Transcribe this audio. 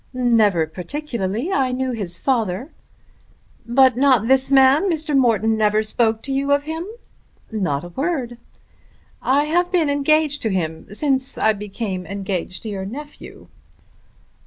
"Never particularly. I knew his father." "But not this man? Mr. Morton never spoke to you of him." "Not a word." "I have been engaged to him since I became engaged to your nephew."